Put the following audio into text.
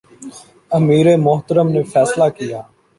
امیر محترم نے فیصلہ کیا